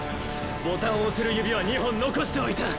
ボタンを押せる指は「２本」残しておいた。